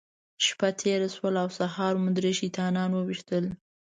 شپه تېره شوه او سهار مو درې شیطانان وويشتل.